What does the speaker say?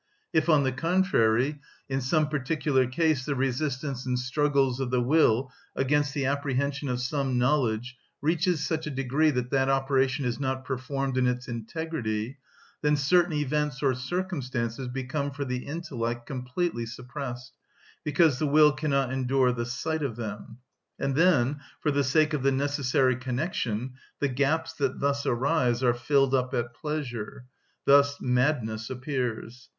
If, on the contrary, in some particular case, the resistance and struggles of the will against the apprehension of some knowledge reaches such a degree that that operation is not performed in its integrity, then certain events or circumstances become for the intellect completely suppressed, because the will cannot endure the sight of them, and then, for the sake of the necessary connection, the gaps that thus arise are filled up at pleasure; thus madness appears.